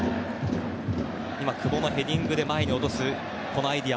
今、久保のヘディングで前に落とすというアイデア。